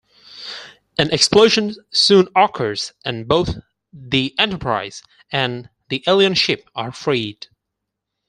An explosion soon occurs, and both the "Enterprise" and the alien ship are freed.